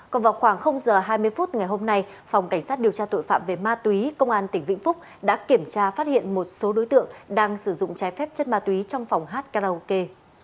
còn vào khoảng h hai mươi phút ngày hôm nay phòng cảnh sát điều tra tội phạm về ma túy công an tỉnh vĩnh phúc đã kiểm tra phát hiện một số đối tượng đang sử dụng trái phép chất ma túy trong phòng hát karaoke